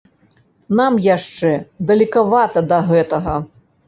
Нам яшчэ далекавата да гэтага.